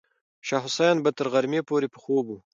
شاه حسین به تر غرمې پورې په خوب و.